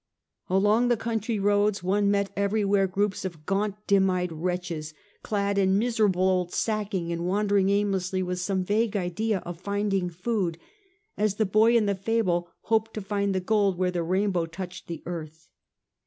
Along the country roads one met everywhere groups of gaunt dim eyed wretches clad in miserable old sacking and wandering aimlessly with some vague idea of finding food, as the boy in the fable hoped to find the gold, where the rainbow touched the earth.